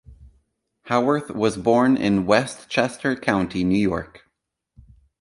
Howarth was born in Westchester County, New York.